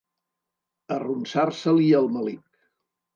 Arronsar-se-li el melic.